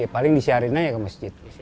paling disiarin aja ke masjid